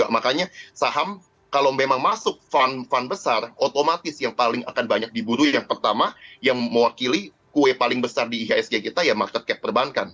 makanya saham kalau memang masuk fun fund besar otomatis yang paling akan banyak diburu yang pertama yang mewakili kue paling besar di ihsg kita ya market cap perbankan